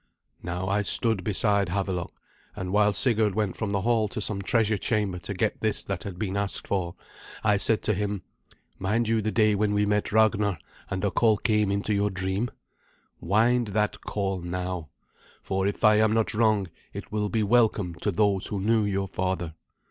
Now I stood beside Havelok, and while Sigurd went from the hall to some treasure chamber to get this that had been asked for, I said to him, "Mind you the day when we met Ragnar. and a call came into your dream? Wind that call now; for, if I am not wrong, it will be welcome to those who knew your father."